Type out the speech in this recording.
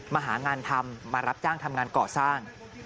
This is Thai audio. มาหางานทำมารับจ้างทำงานก่อสร้าง